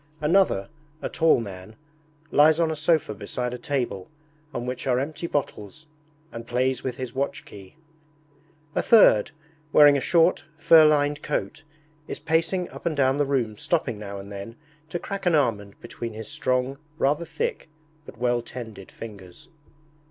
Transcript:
Another, a tall man, lies on a sofa beside a table on which are empty bottles, and plays with his watch key. A third, wearing a short, fur lined coat, is pacing up and down the room stopping now and then to crack an almond between his strong, rather thick, but well tended fingers.